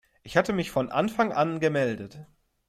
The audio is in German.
Ich hatte mich von Anfang an gemeldet.